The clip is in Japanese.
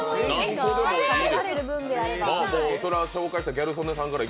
紹介したギャル曽根さんから。